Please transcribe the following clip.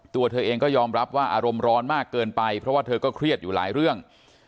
ตัวเธอเองก็ยอมรับว่าอารมณ์ร้อนมากเกินไปเพราะว่าเธอก็เครียดอยู่หลายเรื่อง